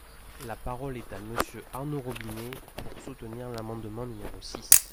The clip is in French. La parole est à Monsieur Arnaud Robinet, pour soutenir l’amendement numéro six.